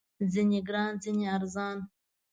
ځینې ګران، ځینې ارزان